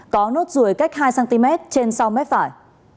có nốt ruồi cách hai cm trên sau mép phải